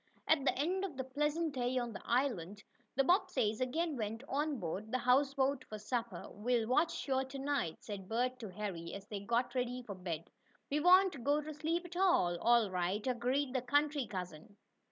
At the end of a pleasant day on the island, the Bobbseys again went on board the houseboat for supper. "We'll watch sure to night," said Bert to Harry, as they got ready for bed. "We won't go to sleep at all." "All right," agreed the country cousin.